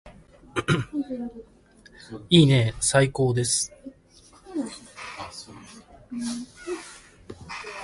いいねーー最高です